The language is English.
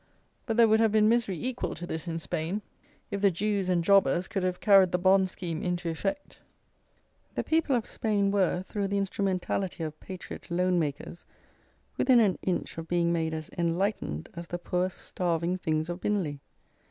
But there would have been misery equal to this in Spain if the Jews and Jobbers could have carried the Bond scheme into effect. The people of Spain were, through the instrumentality of patriot loan makers, within an inch of being made as "enlightened" as the poor, starving things of Binley.